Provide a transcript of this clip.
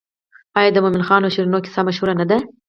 آیا د مومن خان او شیرینو کیسه مشهوره نه ده؟